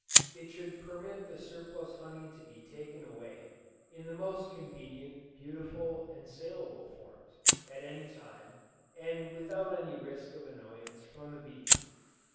It should permit the surplus honey to be taken away, in the most convenient, beautiful and salable forms, at any time, and without any risk of annoyance from the bees.